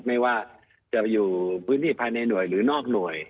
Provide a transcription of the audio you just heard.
ไม่ว่าจะอยู่พื้นที่ภายในหน่วยหรือนอกหน่วย